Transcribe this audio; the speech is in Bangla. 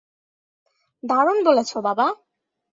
দারুণ বলেছ, বাবা।